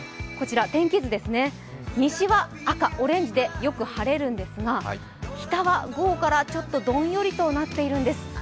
こちら天気図ですね、西は赤、オレンジでよく晴れるんですが、北は午後からちょっとどんよりとなっているんです。